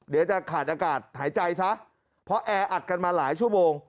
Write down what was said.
เดี๋ยวจะขาดอากาศหายใจซะเพราะแออัดกันมาหลายชั่วโมง